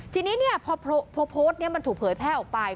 ทีนี้พอโพสต์นี้มันถูกเผยแพร่ออกไป